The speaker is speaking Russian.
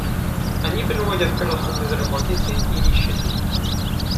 Они приводят к росту безработицы и нищеты.